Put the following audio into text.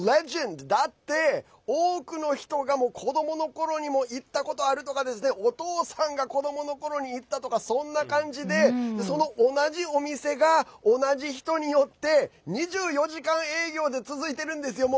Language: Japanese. だって、多くの人が子どものころにも行ったことがあるとかお父さんが子どものころに行ったとか、そんな感じでその同じお店が同じ人によって２４時間営業で続いているんですよ。